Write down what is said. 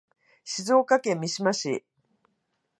静岡県三島市